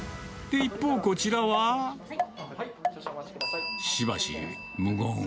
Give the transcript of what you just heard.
で、一方こちらは。しばし無言。